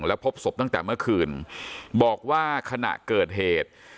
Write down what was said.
แล้วพบศพตั้งแต่เมื่อคืนบอกว่าขณะเกิดเหตุ